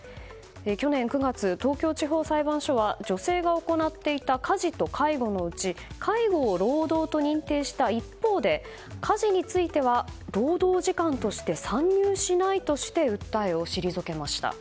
去年９月、東京地方裁判所は女性が行っていた家事と介護のうち介護を労働と認定した一方で家事については労働時間として算入しないとして訴えを退けました。